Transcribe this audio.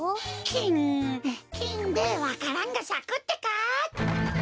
きんきんでわか蘭がさくってか！